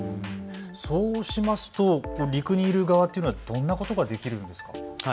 そうすると陸にいる側はどんなことができるんですか。